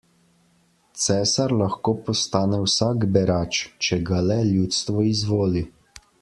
Cesar lahko postane vsak berač, če ga le ljudstvo izvoli.